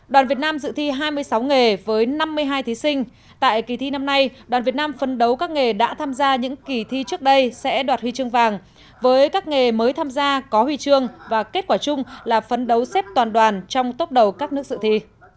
đoàn việt nam dự thi hai mươi sáu nghề với năm mươi hai thí sinh tại kỳ thi năm nay đoàn việt nam phấn đấu các nghề đã tham gia những kỳ thi trước đây sẽ đoạt huy chương vàng với các nghề mới tham gia có huy chương và kết quả chung là phấn đấu xếp toàn đoàn trong tốc đầu các nước dự thi